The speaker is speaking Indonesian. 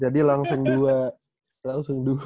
jadi langsung dua langsung dua